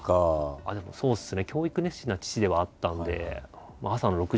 ああでもそうですね。